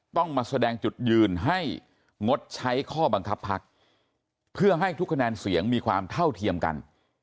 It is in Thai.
ต้องมาแสดงจุดยืนให้งดใช้ข้อบังคับพักเพื่อให้ทุกคะแนนเสียงมีความเท่าเทียมกัน